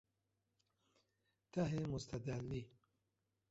ته مستدلی